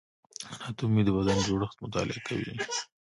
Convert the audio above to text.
اناتومي د بدن جوړښت مطالعه کوي